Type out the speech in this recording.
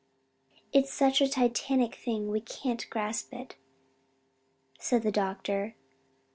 "It's such a titanic thing we can't grasp it," said the doctor.